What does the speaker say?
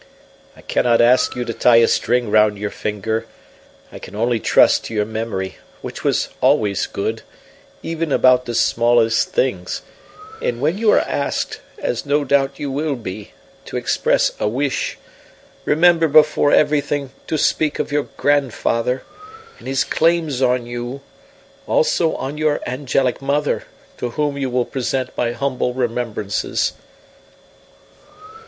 I cannot ask you to tie a string round your finger; I can only trust to your memory, which was always good, even about the smallest things; and when you are asked, as no doubt you will be, to express a wish, remember before everything to speak of your grandfather, and his claims on you, also on your angelic mother, to whom you will present my humble remembrances."